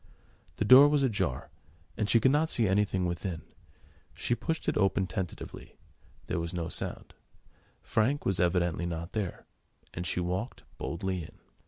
The door was ajar, and she could not see anything within. She pushed it open tentatively: there was no sound: Frank was evidently not there, and she walked boldly in.